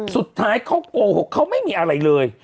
สุดท้ายเขาโกหกเขาไม่มีอะไรเลย